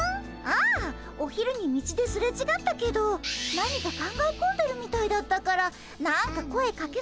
ああお昼に道ですれちがったけど何か考え込んでるみたいだったから何か声かけそびれちゃって。